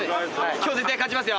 今日絶対に勝ちますよ。